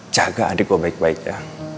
jaga adik gue baik baik ya